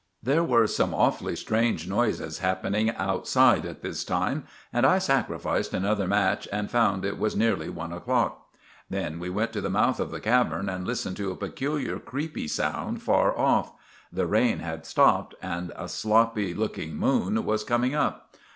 There were some awfully strange noises happening outside at this time, and I sakrificed another match and found it was neerly one o'clock. Then we went to the mouth of the cavern and listened to a peculiar creepy sound far off. The rain had stopped and a sloppy looking moon was coming up.